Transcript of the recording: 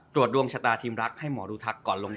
ดวงชะตาทีมรักให้หมอดูทักก่อนลง